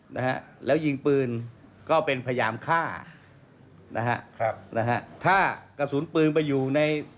นะฮะแล้วยิงปืนก็เป็นพยายามฆ่านะฮะครับนะฮะถ้ากระสุนปืนไปอยู่ใน